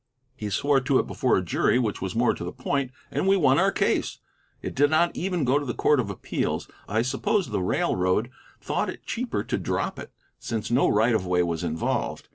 He swore to it before a jury, which was more to the point, and we won our case. It did not even go to the court of appeals; I suppose the railroad thought it cheaper to drop it, since no right of way was involved.